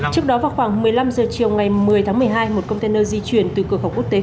trước đó vào khoảng một mươi năm h chiều ngày một mươi tháng một mươi hai một container di chuyển từ cửa khẩu quốc tế